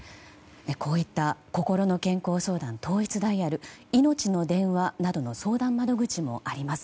こういったこころの健康相談統一ダイヤルやいのちの電話などの相談窓口もあります。